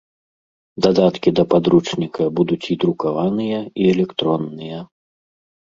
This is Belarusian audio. Дадаткі да падручніка будуць і друкаваныя, і электронныя.